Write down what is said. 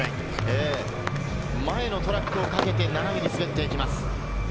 前のトラックをかけて、斜めに滑っていきます。